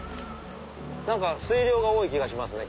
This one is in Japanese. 水量が多い気がしますね